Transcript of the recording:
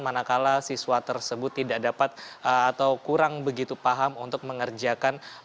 manakala siswa tersebut tidak dapat atau kurang begitu paham untuk mengerjakan